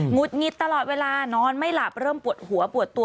ุดหงิดตลอดเวลานอนไม่หลับเริ่มปวดหัวปวดตัว